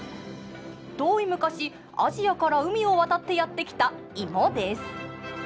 遠い昔アジアから海を渡ってやって来た芋です。